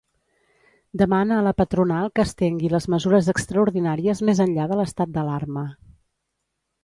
Demana a la patronal que estengui les mesures extraordinàries més enllà de l'estat d'alarma.